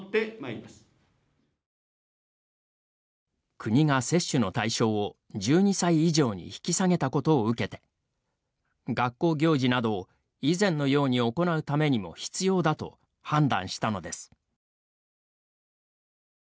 国が接種の対象を１２歳以上に引き下げたことを受けて学校行事などを以前のように行うためにも必要だと判断したのです。